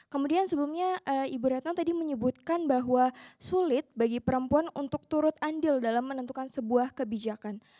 kemudian sebelumnya ibu retno tadi menyebutkan bahwa sulit bagi perempuan untuk turut andil dalam menentukan sebuah kebijakan